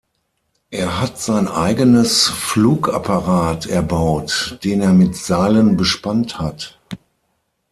Er hat sein eigenes Flugapparat erbaut, den er mit Seilen bespannt hat.